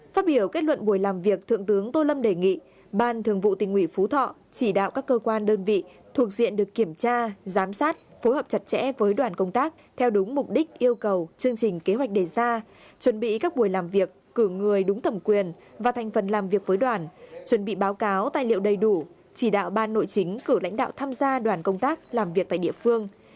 phát biểu kết luận buổi làm việc thượng tướng tô lâm đề nghị ban thường vụ tình ủy phú thọ chỉ đạo các cơ quan đơn vị thuộc diện được kiểm tra giám sát phối hợp chặt chẽ với đoàn công tác theo đúng mục đích yêu cầu chương trình kế hoạch đề ra chuẩn bị các buổi làm việc cử người đúng thẩm quyền và thành phần làm việc với đoàn chuẩn bị báo cáo tài liệu đầy đủ chỉ đạo ban nội chính cử lãnh đạo tham gia đoàn công tác làm việc tại địa phương